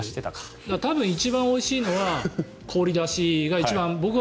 多分一番おいしいのは氷出しが一番、僕は。